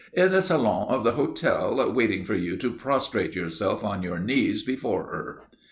"In the salon of the hotel, waiting for you to prostrate yourself on your knees before her."